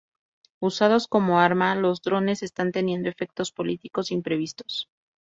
Usados como arma, los drones están teniendo efectos políticos imprevistos.